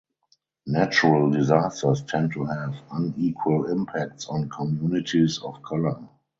Natural disasters tend to have unequal impacts on communities of color.